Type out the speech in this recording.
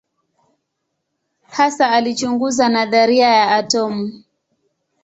Hasa alichunguza nadharia ya atomu.